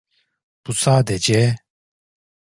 Bu sadece...